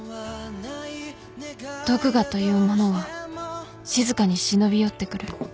毒牙というものは静かに忍び寄ってくる